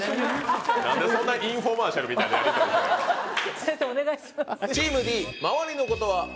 なんでそんなインフォマーシャルみたいなやり取りが先生お願いします